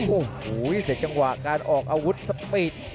โอ้โหแต่จังหวะการออกอาวุธสปีด